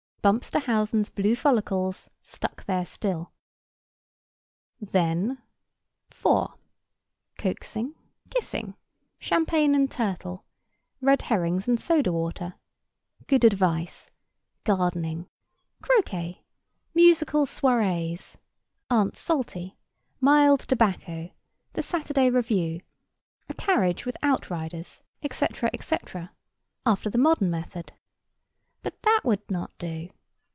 Bumpsterhausen's blue follicles stuck there still. Then— 4. Coaxing. Kissing. Champagne and turtle. Red herrings and soda water. Good advice. Gardening. Croquet. Musical soirées. Aunt Salty. Mild tobacco. The Saturday Review. A carriage with outriders, etc. etc. After the modern method. But that would not do.